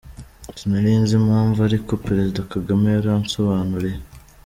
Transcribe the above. Sinarinzi impamvu ariko Perezida Kagame yaransobanuriye.